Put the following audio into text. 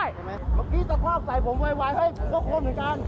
เมื่อกี้สภาพใส่ผมไวให้ทุกคนเหมือนกัน